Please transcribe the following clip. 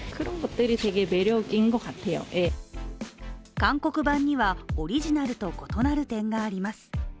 韓国版には、オリジナルと異なる点があります。